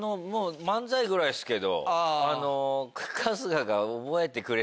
漫才ぐらいっすけど。